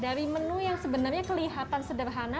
dari menu yang sebenarnya kelihatan sederhana